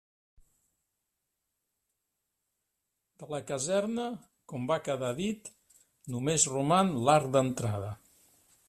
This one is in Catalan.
De la caserna, com va quedar dit, només roman l'arc d'entrada.